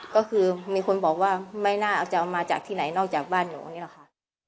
ก็คือมีคนบอกว่าไม่น่าเอาจะเอามาจากที่ไหนนอกจากบ้านหนูนี่แหละค่ะ